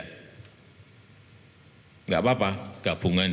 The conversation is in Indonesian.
tidak apa apa gabungannya